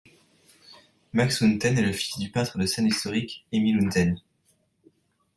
Max Hünten est le fils du peintre de scènes historiques Emil Hünten.